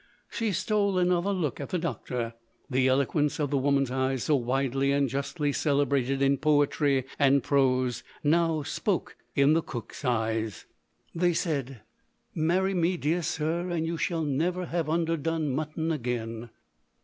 She stole another look at the doctor. The eloquence of women's eyes, so widely and justly celebrated in poetry and prose, now spoke in the cook's eyes. They said, "Marry me, dear sir, and you shall never have underdone mutton again."